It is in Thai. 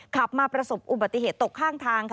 ขับมาประสบอุบัติเหตุตกข้างทางค่ะ